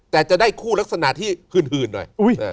แต่จะได้คู่ลักษณะที่หื่นหน่อย